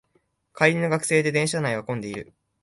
帰りの学生で電車内は混んでいる